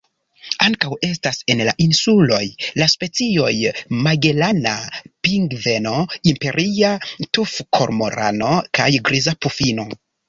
Ankaŭ estas en la insuloj la specioj Magelana pingveno, Imperia tufkormorano kaj Griza pufino.